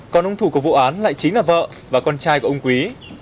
còn ông thủ của vụ án lại chính là vợ và con trai của ông quý